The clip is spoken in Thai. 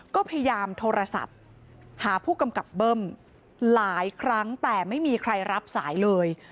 ก็พยายามโทรศัพท์หาผู้กำกับเบิ้มหลายครั้งแต่ไม่มีใครรับสายเลย